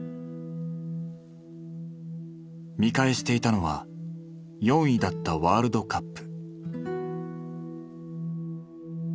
見返していたのは４位だったワールドカップ。